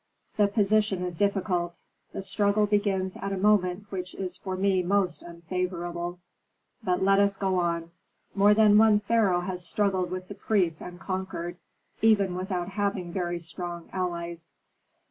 The position is difficult. The struggle begins at a moment which is for me most unfavorable. But let us go on. More than one pharaoh has struggled with the priests and conquered, even without having very strong allies."